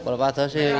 kalau pada sih